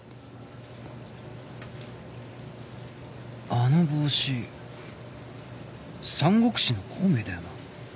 あの帽子『三国志』の孔明だよな